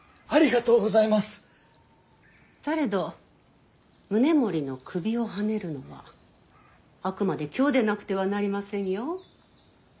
されど宗盛の首をはねるのはあくまで京でなくてはなりませんよ。